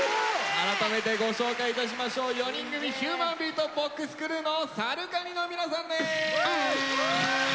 改めてご紹介いたしましょう４人組ヒューマンビートボックスクルーのＳＡＲＵＫＡＮＩの皆さんです。